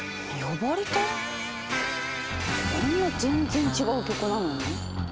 こんな全然違う曲なのに？